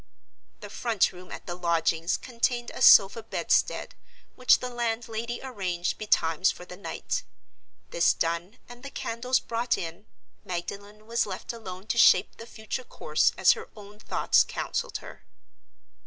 The front room at the lodgings contained a sofa bedstead which the landlady arranged betimes for the night. This done, and the candles brought in, Magdalen was left alone to shape the future course as her own thoughts counseled her.